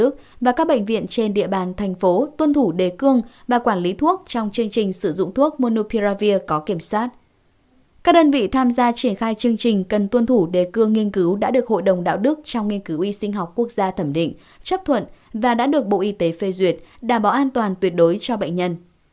các đơn vị tham gia triển khai chương trình cần tuân thủ đề cương nghiên cứu đã được hội đồng đạo đức trong nghiên cứu y sinh học quốc gia thẩm định chấp thuận và đã được bộ y tế phê duyệt đảm bảo an toàn tuyệt đối cho bệnh nhân